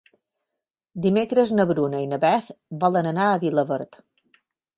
Dimecres na Bruna i na Beth volen anar a Vilaverd.